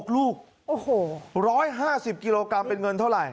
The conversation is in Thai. ๔๖ลูกโอ้โหร้อยห้าสิบกิโลกรัมเป็นเงินเท่าไหร่